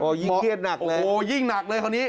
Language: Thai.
โอ้โหยิ่งเทียดหนักเลยโอ้โหยิ่งหนักเลยคราวนี้